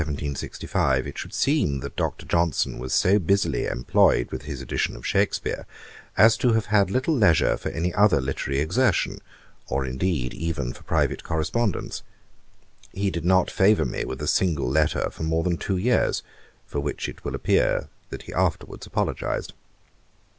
D. In 1764 and 1765 it should seem that Dr. Johnson was so busily employed with his edition of Shakspeare, as to have had little leisure for any other literary exertion, or, indeed, even for private correspondence. He did not favour me with a single letter for more than two years, for which it will appear that he afterwards apologised.